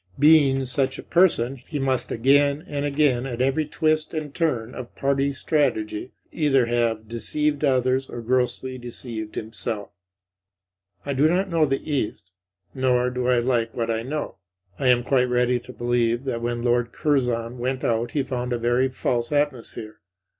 Being such a person, he must again and again, at every twist and turn of party strategy, either have deceived others or grossly deceived himself. I do not know the East; nor do I like what I know. I am quite ready to believe that when Lord Curzon went out he found a very false atmosphere.